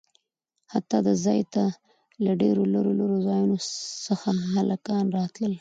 حتا د ځاى ته له ډېرو لرو لرو ځايونه څخه هلکان راتلل.